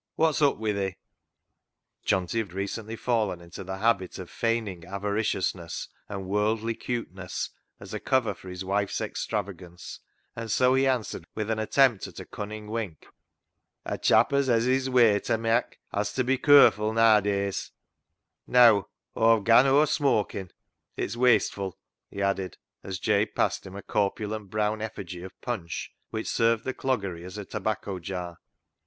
Wot's up wi' thi ?" FOR BETTER, FOR WORSE 171 Johnty had recently fallen into the habit of feigning avariciousness and worldly cuteness as a cover for his wife's extravagance, and so he answered with an attempt at a cunning wink —" A chap as hez his way ta mak' hez ta be curfull naa a days. Neaw, Aw've gan o'er smookin' ; it's wasteful," he added, as Jabe passed him a corpulent brown effigy of Punch, which served the cloggery as a tobacco jar.